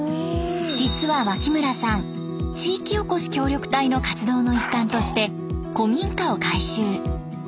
実は脇村さん地域おこし協力隊の活動の一環として古民家を改修。